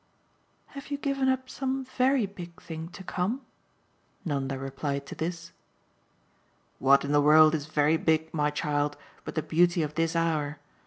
"Have you given up some VERY big thing to come?" Nanda replied to this. "What in the world is very big, my child, but the beauty of this hour?